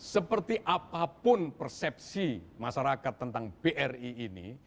seperti apapun persepsi masyarakat tentang bri ini